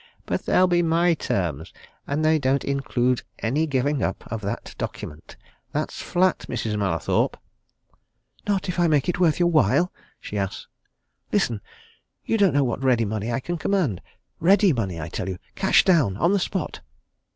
"But they'll be my terms and they don't include any giving up of that document. That's flat, Mrs. Mallathorpe!" "Not if I make it worth your while?" she asked. "Listen! you don't know what ready money I can command. Ready money, I tell you cash down, on the spot!"